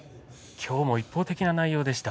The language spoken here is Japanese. きょうも一方的な内容でした。